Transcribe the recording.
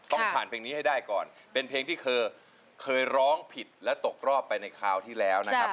ต้องผ่านเพลงนี้ให้ได้ก่อนเป็นเพลงที่เธอเคยร้องผิดและตกรอบไปในคราวที่แล้วนะครับ